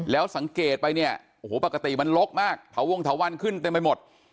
แล้วสังเกตไปเนี่ยโอ้โหปกติมันลกมากเถาวงเถาวันขึ้นเต็มไปหมด